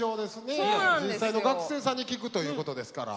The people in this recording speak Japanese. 実際の学生さんに聞くということですから。